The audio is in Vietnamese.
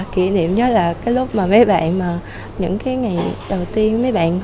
kỷ niệm nhớ là cái lúc mà mấy bạn mà những cái ngày đầu tiên mấy bạn không có